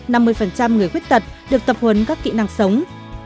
năm mươi người khuyết tật được tập huấn các kỹ năng sống